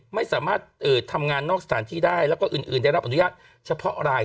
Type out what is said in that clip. ไม่สามารถทำงานนอกสถานที่ได้แล้วก็อื่นได้รับอนุญาตเฉพาะราย